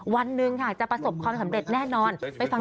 วันหนึ่งค่ะจะประสบความสำเร็จแน่นอนไปฟัง